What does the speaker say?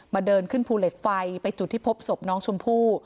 เดินขึ้นภูเหล็กไฟไปจุดที่พบศพน้องชมพู่